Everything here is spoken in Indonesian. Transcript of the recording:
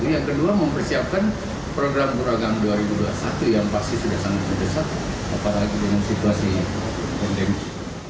yang paling harus mendesak adalah merampungkan tugas